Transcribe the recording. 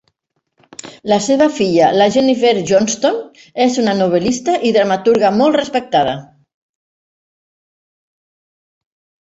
La seva filla, la Jennifer Johnston, és una novel·lista i dramaturga molt respectada.